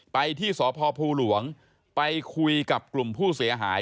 ไปที่สพภูหลวงไปคุยกับกลุ่มผู้เสียหาย